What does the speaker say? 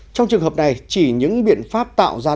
trong trường hợp này chỉ những biện pháp tạo ra động lực